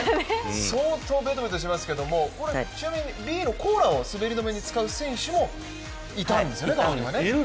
相当ベトベトしますけれども、ちなみにＢのコーラを滑り止めに使う選手もいたんですよね。